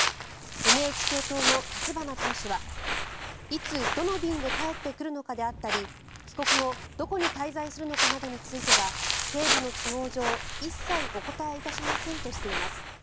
ＮＨＫ党の立花党首はいつ、どの便で帰ってくるのかであったり帰国後、どこに滞在するのかなどについては警備の都合上一切お答えいたしませんとしています。